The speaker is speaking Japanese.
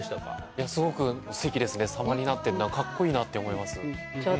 いやすごくすてきですね様になってるなカッコいいなって思います。